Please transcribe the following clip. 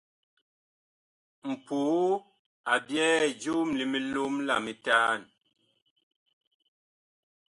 Mpoo a byɛɛ joom li milom la mitaan.